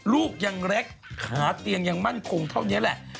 ลูกยังเล็กขาเตียงยังมั่นคงเท่านี้แหละ